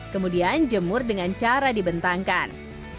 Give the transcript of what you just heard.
kemudian jemur dengan cara dibentangkan